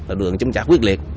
là đường chống trả quyết liệt